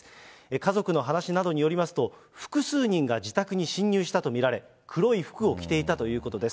家族の話などによりますと、複数人が自宅に侵入したと見られ、黒い服を着ていたということです。